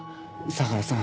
相良さん。